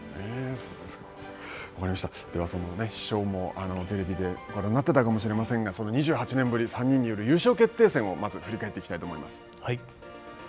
では、その師匠もテレビでご覧になっていたかもしれませんが、その２８年ぶり３人による優勝決定戦をまず振り返っていきたいと思います。